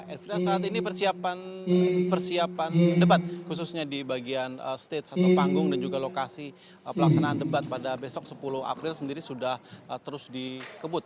evira saat ini persiapan debat khususnya di bagian stage atau panggung dan juga lokasi pelaksanaan debat pada besok sepuluh april sendiri sudah terus dikebut